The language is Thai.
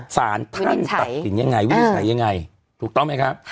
สารท่านตัดสินยังไงวินิจฉัยยังไงถูกต้องไหมครับ